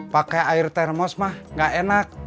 pakai air termos mah gak enak